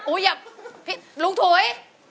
โอ๊ยอย่าพี่รุ่งถุย